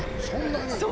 そんなに？